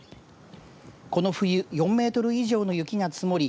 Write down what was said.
この冬４メートル以上の雪が積もり